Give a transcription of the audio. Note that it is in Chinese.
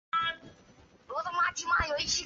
毛柱瑞香为瑞香科瑞香属下的一个变种。